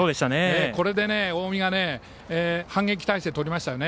これで近江が反撃態勢をとりましたよね。